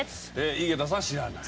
井桁さんは知らない。